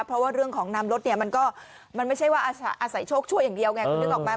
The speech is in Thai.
เพราะว่าเรื่องของนำรถเนี่ยมันก็ไม่ใช่อาศัยโชคชั่วอย่างเดียวไง